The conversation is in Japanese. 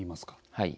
はい。